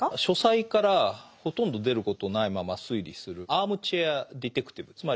書斎からほとんど出ることないまま推理するアームチェア・ディテクティヴ。